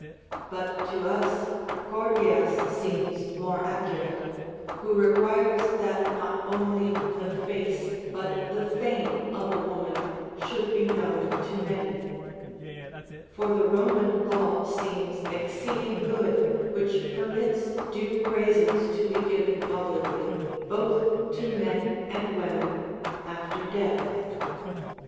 But to us Gorgias seems more accurate, who requires that not only the face but the fame of a woman should be known to many. For the Roman law seems exceeding good, which permits due praises to be given publicly both to men and women after death.